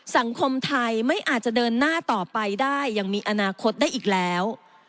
สังคมไทยไม่อาจจะเดินหน้าต่อไปได้ยังมีอนาคตได้อีกแล้ว